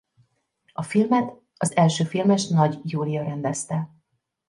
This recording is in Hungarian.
A filmet az elsőfilmes Nagy Júlia rendezte.